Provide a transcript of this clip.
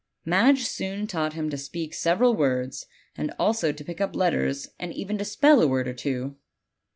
Madge soon taught him to speak sev eral words, and also to pick up letters and even to spell a word or two.